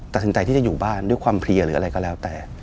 ตัดสินใจที่จะอยู่บ้านด้วยความเพลียหรืออะไรก็แล้วแต่